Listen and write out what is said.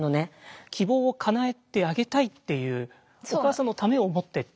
希望をかなえてあげたいっていうお母様のためを思ってっていうこと。